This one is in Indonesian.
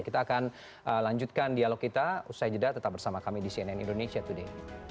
kita akan lanjutkan dialog kita usai jeda tetap bersama kami di cnn indonesia today